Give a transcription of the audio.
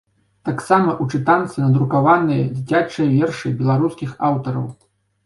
Таксама ў чытанцы надрукаваныя дзіцячыя вершы беларускіх аўтараў!